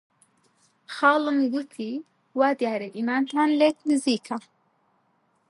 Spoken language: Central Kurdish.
خاڵم گوتی: وا دیارە ئیمانتان لێک نزیکە!